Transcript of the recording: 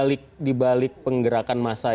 soal nama epsl dibalik penggerakan masyarakat